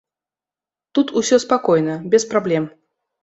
Тут усё спакойна, без праблем.